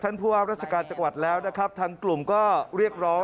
ผู้ว่าราชการจังหวัดแล้วนะครับทางกลุ่มก็เรียกร้อง